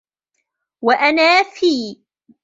وَأَنَا فِي